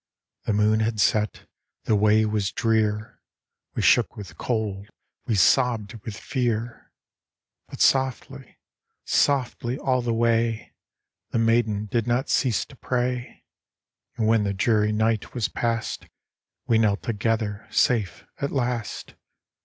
The moon had set ; the way was drear ; We shook with cold ; we sobbed with fear ; But softly, softly, all the way, The maiden did not cease to pray ; And when the dreary night was past We knelt together, safe at last.